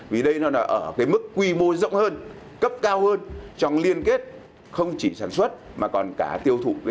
vì đây nó là ở cái mức quy mô rộng hơn cấp cao hơn trong liên kết không chỉ sản xuất mà còn cả tiêu thụ